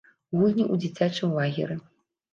Гульні ў дзіцячым лагеры.